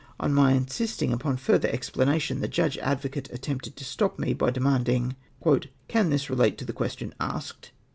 On my insisting upon fiuther explanation the Judge Advocate attempted to stop me, by demanding —" Cax THIS RELATE TO THE QUESTION ASKED